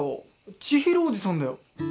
千尋おじさんだよ。